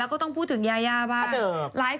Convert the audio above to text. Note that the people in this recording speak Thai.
ก็ต้องพูดถึงยายาบ้าง